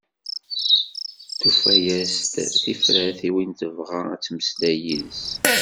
Tufa-as-d tifrat i win tebɣa ad temmeslay yid-s.